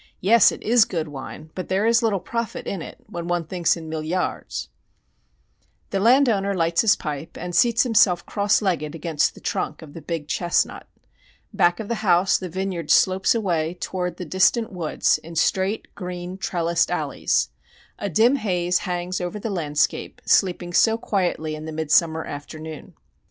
Yes, it is good wine, but there is little profit in it, when one thinks in milliards. The landowner lights his pipe and seats himself cross legged against the trunk of the big chestnut. Back of the house the vineyard slopes away toward the distant woods in straight, green, trellised alleys. A dim haze hangs over the landscape sleeping so quietly in the midsummer afternoon.